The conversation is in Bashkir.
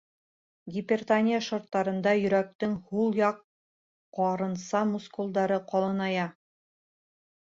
Гипертония шарттарында йөрәктең һул яҡ ҡарынса мускулдары ҡалыная.